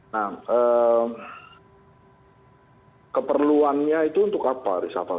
nah keperluannya itu untuk apa reshuffle